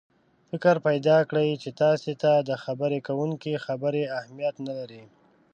فکر پیدا کړي چې تاسې ته د خبرې کوونکي خبرې اهمیت نه لري.